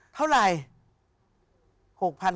เท่าไหร่